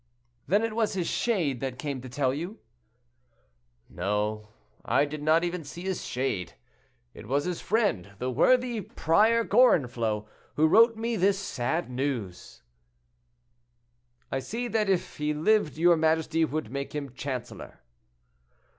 "Then it was his shade that came to tell you?" "No; I did not even see his shade. It was his friend, the worthy prior Gorenflot, who wrote me this sad news." "I see that if he lived your majesty would make him chancellor."